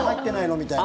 みたいな。